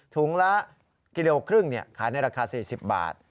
ถุงละกิโลครึ่งขายในราคา๔๐บาท